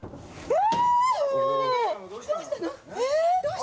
え？